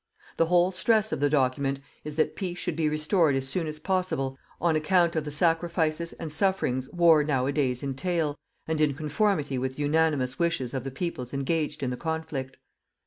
The whole stress of the document is that peace should be restored as soon as possible on account of the sacrifices and sufferings war nowadays entail, and in conformity with the unanimous wishes of the peoples engaged in the conflict.